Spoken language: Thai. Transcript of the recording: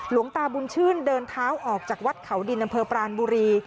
หลวงตาบุญชื่นเดินเท้าออกจากวัดเขาดินอำเภอปรานบุรี